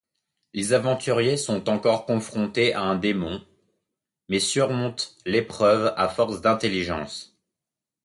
Les aventuriers sont encore confrontés à un démon, mais surmontent l'épreuve à force d'intelligence.